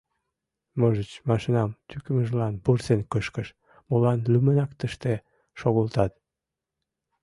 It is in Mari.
Можыч, машинам тӱкымыжлан вурсен кышкыш: «Молан лӱмынак тыште шогылтат?